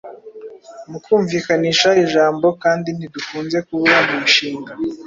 mu kumvikanisha ijambo kandi ntidukunze kubura mu nshinga.